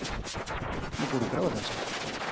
もうこれからは出しません。